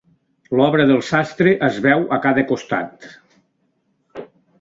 L'obra del sastre es veu a cada costat.